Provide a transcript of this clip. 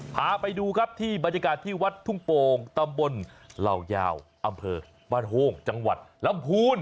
พาไปดูครับที่บรรยากาศที่วัดทุ่งโป่งตำบลเหล่ายาวอำเภอบ้านโฮงจังหวัดลำพูน